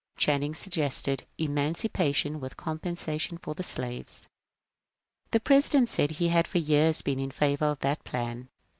Channing suggested eman cipation with compensation for the slaves. The President said he had for years been in favour of that plan.